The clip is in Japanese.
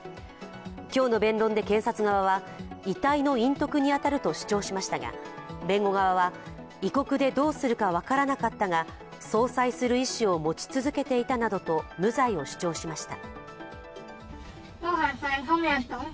今日の弁論で検察側は、遺体の隠匿に当たると主張しましたが、弁護側は、異国でどうするか分からなかったが葬祭する意思を持ち続けていたなどと無罪を主張しました。